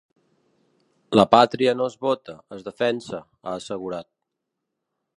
La pàtria no es vota, es defensa, ha assegurat.